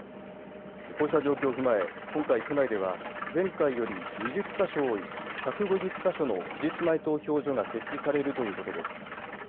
こうした状況を踏まえ今回府内では前回より２０か所多い１５０か所の期日前投票所が設置されるということです。